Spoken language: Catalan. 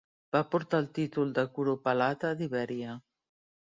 Va portar el títol de curopalata d'Ibèria.